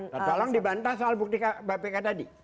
tolong dibantah soal bukti pak pk tadi